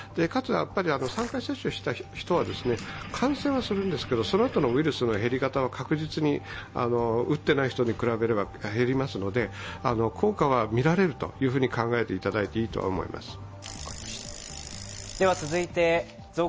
かつ、３回接種した人は感染はするんですがそのあとのウイルスの減り方は確実に打ってない人に比べれば減りますので効果は見られると考えていただいていいと思います。